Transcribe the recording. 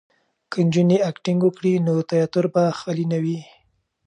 که نجونې اکټینګ وکړي نو تیاتر به خالي نه وي.